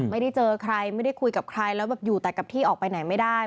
ไม่ได้เจอใครไม่ได้คุยกับใครแล้วแบบอยู่แต่กับที่ออกไปไหนไม่ได้